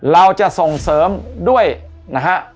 เราจะส่งเสริมด้วยนะฮะ